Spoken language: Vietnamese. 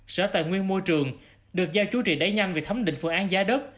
sở tài nguyên môi trường được giao chú trị đẩy nhanh về thấm định phương án giá đất